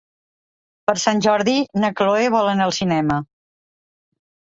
Per Sant Jordi na Cloè vol anar al cinema.